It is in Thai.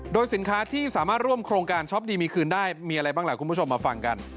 โดยสินค้าที่สามารถร่วมโครงการช็อปดีมีคืนได้มีอะไรบ้างล่ะคุณผู้ชมมาฟังกัน